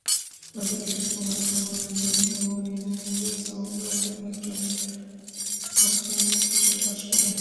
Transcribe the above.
রাসেল কিছু সময়ের জন্য রেডিও নিউজিল্যান্ডের সাউন্ড আর্কাইভে একজন আর্কাইভিস্ট হিসেবে কাজ করেন।